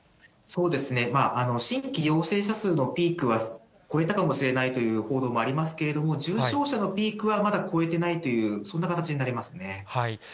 そうですね、新規陽性者数のピークは越えたかもしれないという報道もありますけれども、重症者のピークはまだ越えてないという、そんな形になりますね。